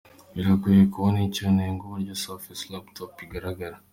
Biragoye kubona icyo unenga uburyo Surface Laptop igaragara.